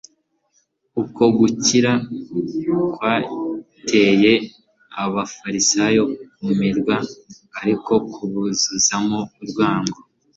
Uko gukira kwatcye abafarisayo kumirwa; ariko kubuzuzamo urwango;